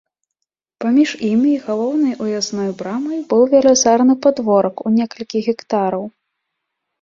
Паміж ім і галоўнай уязной брамай быў велізарны падворак у некалькі гектараў.